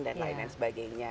dan lain lain sebagainya